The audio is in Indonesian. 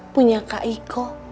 punya kak iko